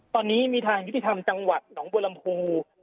ตอนนี้มีทางยุติธรรมจังหวัดหลังบลังภูมิ